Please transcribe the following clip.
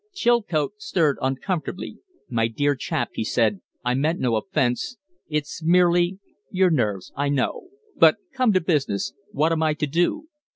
Chilcote stirred uncomfortably. "My dear chap," he said, "I meant no offence. It's merely " "Your nerves. I know. But come to business. What am I to do?"